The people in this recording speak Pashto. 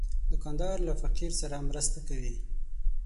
دوکاندار له فقیر سره مرسته کوي.